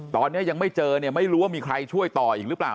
ตอนนี้ยังไม่เจอเนี่ยไม่รู้ว่ามีใครช่วยต่ออีกหรือเปล่า